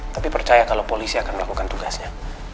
tapi percaya kalau polisi akan melakukan tugasnya